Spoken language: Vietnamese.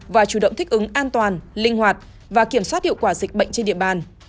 và chủ động thích ứng an toàn linh hoạt và kiểm soát hiệu quả dịch bệnh trên địa bàn